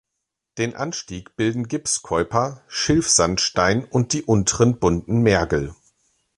Den Anstieg bilden Gipskeuper, Schilfsandstein und die Unteren Bunten Mergel.